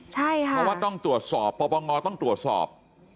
เพราะว่าต้องตรวจสอบปปงต้องตรวจสอบ